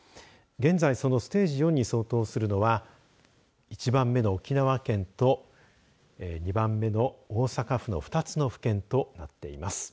現在そのステージ４に相当するのは１番目の沖縄県と２番目の大阪府の２つの府県となっています。